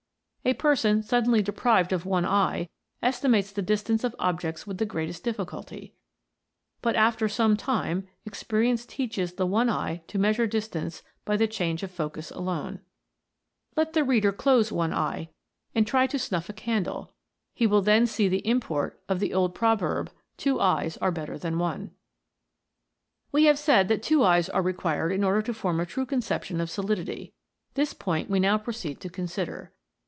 A person suddenly deprived of one eye estimates the dis tance of objects with the greatest difficulty ; but after some time, experience teaches the one eye to measure distance by the change of focus alone. Let the reader close one eye, and try to snuff a 108 TWO EYES ARE BETTER THAN ONE. candle, he will then see the import of the old pro verb, " Two eyes are better than one." We have said that two eyes are reqxiired in order to form a true conception of solidity ; this point we now proceed to consider.